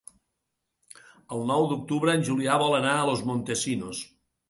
El nou d'octubre en Julià vol anar a Los Montesinos.